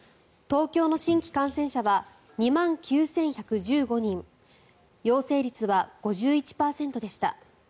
東京の新規感染者は２万９１１５人陽性率は５１％でした。